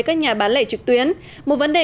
các nhà bán lệ trực tuyến một vấn đề